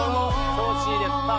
調子いいです。